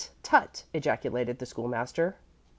tut!" ejaculated the School master.